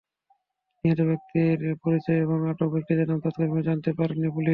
নিহত ব্যক্তির বিস্তারিত পরিচয় এবং আটক ব্যক্তিদের নাম তাৎক্ষণিকভাবে জানাতে পারেনি পুলিশ।